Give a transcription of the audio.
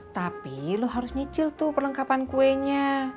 tapi lo harus nyicil tuh perlengkapan kuenya